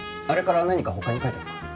あれから何か他に書いたのか？